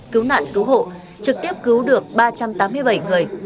cứu nạn cứu hộ trực tiếp cứu được ba trăm tám mươi bảy người